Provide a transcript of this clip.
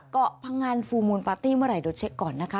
เกาะพังงานฟูลมูลปาร์ตี้เมื่อไหร่เดี๋ยวเช็คก่อนนะคะ